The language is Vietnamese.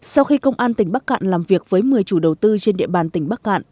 sau khi công an tỉnh bắc cạn làm việc với một mươi chủ đầu tư trên địa bàn tỉnh bắc cạn